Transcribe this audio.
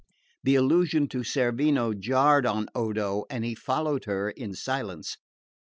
The allusion to Cerveno jarred on Odo, and he followed her in silence.